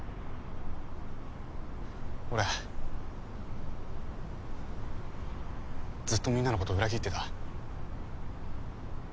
俺ずっとみんなのこと裏切ってた。